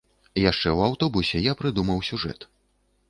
Яшчэ ў аўтобусе, я прыдумаў сюжэт.